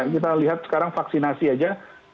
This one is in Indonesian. kita lihat sekarang vaksinasi aja